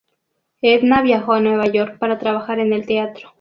Edna viajó a Nueva York para trabajar en el teatro.